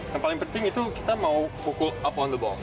yang paling penting itu kita mau pukul up on the box